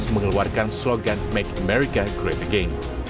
mengeluarkan slogan make america great again